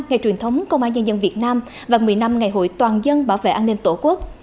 ngày truyền thống công an nhân dân việt nam và một mươi năm ngày hội toàn dân bảo vệ an ninh tổ quốc